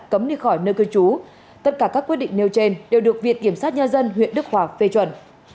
cấm đi khỏi nơi cư trú tất cả các quyết định nêu trên đều được viện kiểm sát nhân dân huyện đức hòa phê chuẩn